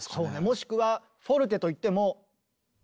もしくはフォルテといっても。